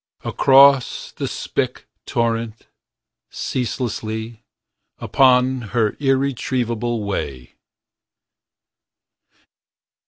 Across the spick torrent, ceaselessly. Upon her irretrievable way.